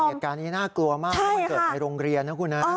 เหตุการณ์นี้น่ากลัวมากเพราะมันเกิดในโรงเรียนนะคุณนะ